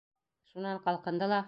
Шунан ҡалҡынды ла: